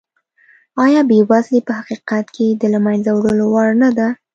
ایا بېوزلي په حقیقت کې د له منځه وړلو وړ نه ده؟